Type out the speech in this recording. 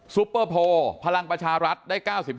ปเปอร์โพลพลังประชารัฐได้๙๕